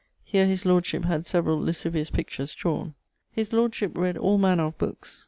Here his lordship had severall lascivious pictures drawen. His lordship read all manner of bookes.